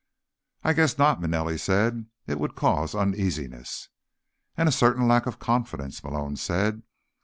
"I guess not," Manelli said. "It would cause uneasiness." "And a certain lack of confidence," Malone said.